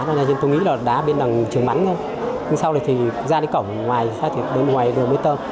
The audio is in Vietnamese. tôi nghĩ là đá bên đằng trường mắn nhưng sau này thì ra đến cổng ngoài ra đến ngoài đường mới tơm